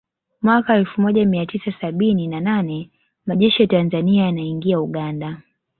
Mwaka elfu moja mia tisa sabini na nane Majeshi ya Tanzania yanaingia Uganda